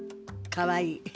かわいい。